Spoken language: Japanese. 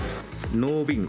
ノービンゴ。